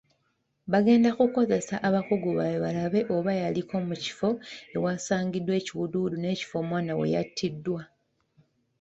Bagenda kukozesa abakugu baabwe balabe oba yaliko mu kifo ewasangiddwa ekiwuduwudu n'ekifo omwana we yattiddwa.